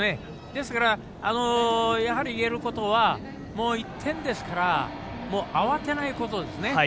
ですから、言えることは１点ですから慌てないことですね。